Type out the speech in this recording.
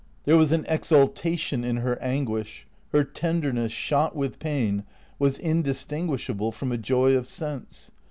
There was an exaltation in her anguish. Her tenderness, shot with pain, was indistinguishable from a joy of sense.